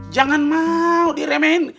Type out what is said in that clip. jangan mau diremehin